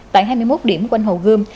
tại hai mươi một điểm quanh hồ gươm